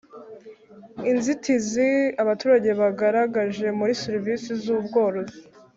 Inzitizi abaturage bagaragaje muri serivisi z ubworozi